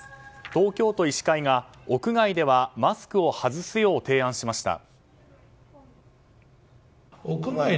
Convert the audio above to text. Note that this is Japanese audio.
東京都医師会が屋外ではマスクを外すよう提案しました。